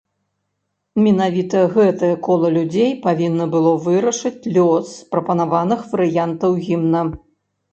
Менавіта гэтае кола людзей павінна было вырашаць лёс прапанаваных варыянтаў гімна.